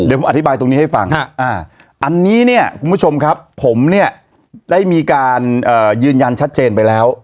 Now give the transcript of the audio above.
เดี๋ยวผมอธิบายตรงนี้ให้ฟังอันนี้เนี่ยคุณผู้ชมครับผมเนี่ยได้มีการยืนยันชัดเจนไปแล้ว